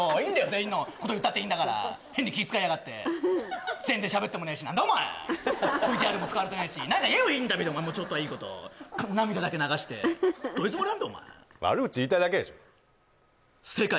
全員のこと言ったっていいんだから変に気つかいやがって全然喋ってもねえし何だお前ＶＴＲも使われてないし何か言えよインタビューでちょっとはいいこと涙だけ流してどういうつもりなんだお前悪口言いたいだけでしょ正解！